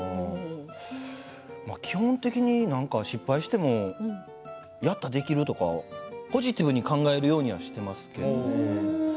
基本的に失敗してもやったらできるとかポジティブに考えるようにはしていますけどね。